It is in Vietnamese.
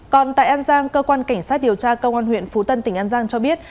còn tại an giang cơ quan cảnh sát điều tra công an huyện phú tân tỉnh an giang cho biết